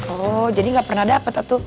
oh jadi gak pernah dapet tuh